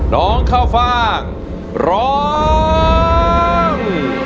น้องข้าวฟ่างร้อง